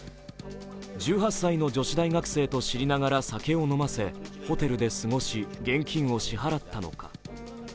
１８歳の女子大学生と知りながら酒を飲ませ、ホテルで過ごし、現金を支払ったのか。